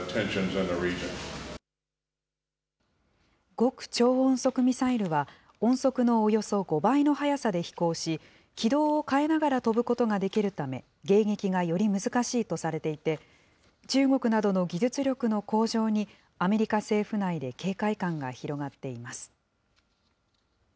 極超音速ミサイルは、音速のおよそ５倍の速さで飛行し、軌道を変えながら飛ぶことができるため、迎撃がより難しいとされていて、中国などの技術力の向上に、アメリカ政府内で警戒感が広がっています。